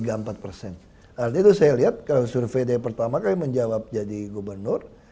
artinya itu saya lihat kalau survei dari pertama kali menjawab jadi gubernur